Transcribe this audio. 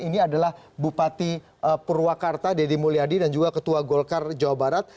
ini adalah bupati purwakarta deddy mulyadi dan juga ketua golkar jawa barat